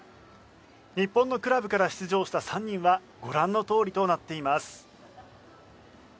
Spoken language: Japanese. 日本のクラブから出場した３人はご覧のとおりとなっています。